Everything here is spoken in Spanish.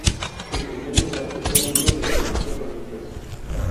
En primer lugar está el mundo de los demasiado limpios.